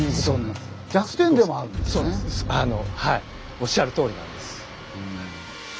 おっしゃるとおりなんです。